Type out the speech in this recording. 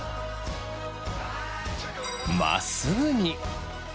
まっすぐに！